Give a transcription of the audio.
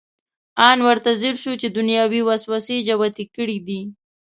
ان ورته ځیر شو چې دنیوي وسوسې جوتې کړې دي.